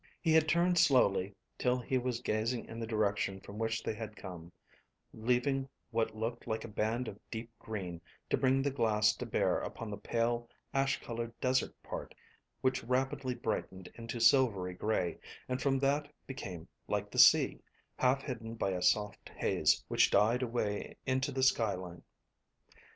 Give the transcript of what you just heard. He had turned slowly till he was gazing in the direction from which they had come, leaving what looked like a band of deep green, to bring the glass to bear upon the pale ash coloured desert part, which rapidly brightened into silvery grey, and from that became like the sea, half hidden by a soft haze which died away into the sky line.